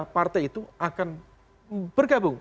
partai itu akan bergabung